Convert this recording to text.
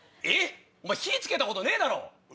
お前火付けたことねえだろ？